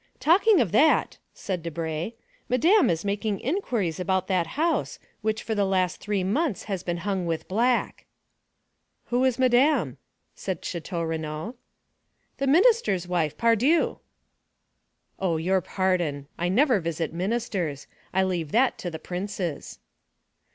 "Talking of that," said Debray, "Madame was making inquiries about that house, which for the last three months has been hung with black." "Who is Madame?" asked Château Renaud. "The minister's wife, pardieu!" "Oh, your pardon! I never visit ministers; I leave that to the princes."